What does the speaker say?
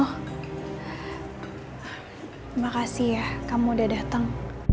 terima kasih ya kamu udah datang